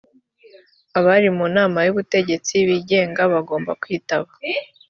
abari mu nama y ‘ubutegetsi bigenga bagomba kwitaba